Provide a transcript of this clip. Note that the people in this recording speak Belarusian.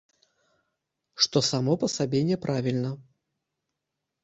Што само па сабе не правільна.